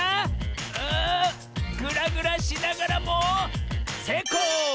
あグラグラしながらもせいこう！